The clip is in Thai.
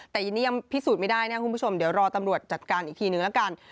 แต่อีเนียมพิสูจน์ไม่ได้นะคุณผู้ชมเดี๋ยวรอตำรวจจัดการอีกทีนึงละกัน